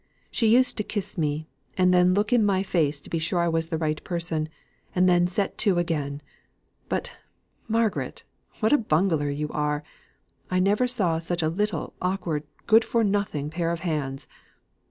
"She used to kiss me, and then look in my face to be sure I was the right person, and then set to again! But, Margaret, what a bungler you are! I never saw such a little awkward, good for nothing pair of hands.